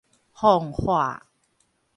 奉化